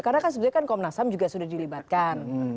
karena kan sebenarnya komnas ham juga sudah dilibatkan